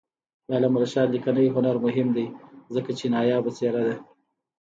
د علامه رشاد لیکنی هنر مهم دی ځکه چې نایابه څېره ده.